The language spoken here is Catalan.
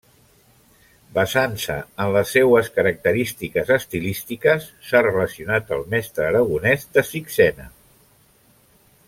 Basant-se en les seues característiques estilístiques, s'ha relacionat el mestre aragonès de Sixena.